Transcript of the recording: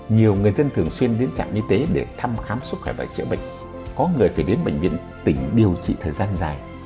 nhiều người dân thường xuyên đến trạm y tế để thăm khám sức khỏe và chữa bệnh có người phải đến bệnh viện tỉnh điều trị thời gian dài